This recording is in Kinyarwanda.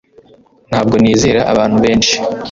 Ntabwo nizera abantu benshi